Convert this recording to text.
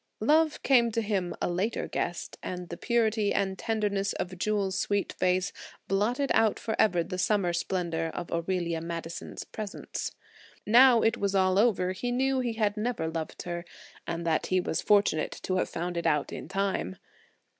Love came to him a later guest, and the purity and tenderness of Jewel's sweet face blotted out forever the summer splendor of Aurelia Madison's presence. Now it was all over; he knew he had never loved her, and that he was fortunate to have found it out in time.